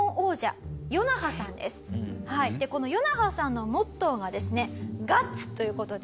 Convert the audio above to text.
このヨナハさんのモットーがですね「ガッツ」という事で。